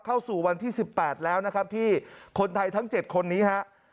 เข้าสู่วันที่๑๘แล้วนะครับที่คนไทยทั้ง๗คนนี้ฮะ